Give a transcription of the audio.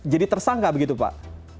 jadi tersangka begitu pak